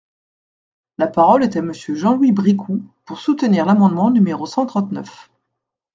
La parole est à Monsieur Jean-Louis Bricout, pour soutenir l’amendement numéro cent trente-neuf.